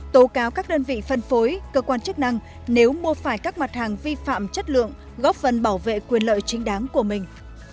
tố cáo các đơn vị phân phối cơ quan chức năng nếu mua phải các mặt hàng vi phạm chất lượng góp phần bảo vệ quyền lợi chính đáng của mình